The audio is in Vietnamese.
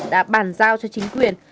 đã bàn giao cho chính quyền